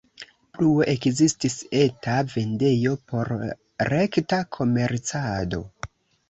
Plue ekzistis eta vendejo por rekta komercado.